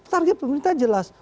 target pemerintah jelas